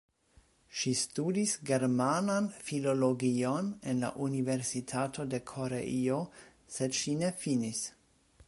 Ŝi studis germanan filologion en la Universitato de Koreio, sed ŝi ne finis.